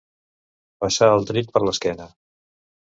Passar el trill per l'esquena.